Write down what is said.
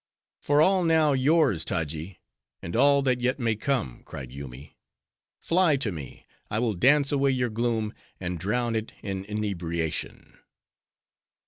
"For all now yours, Taji; and all that yet may come," cried Yoomy, "fly to me! I will dance away your gloom, and drown it in inebriation."